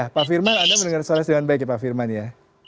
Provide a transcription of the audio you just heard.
pak firman anda mendengar suara dengan baik ya pak firman ya